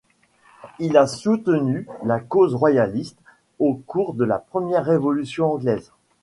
Il a soutenu la cause royaliste au cours de la Première révolution anglaise.